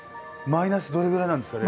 マイナスどれぐらいなんですか？